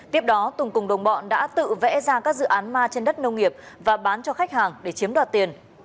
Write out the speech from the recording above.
tiếp đó tùng cùng đồng bọn đã tự vẽ ra các dự án ma trên đất nông nghiệp và bán cho khách hàng để chiếm đoạt tiền